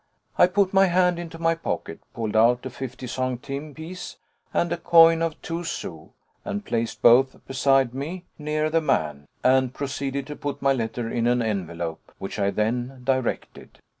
I put my hand into my pocket, pulled out a fifty centimes piece and a coin of two sous, and placed both beside me, near the man, and proceeded to put my letter in an envelope, which I then directed.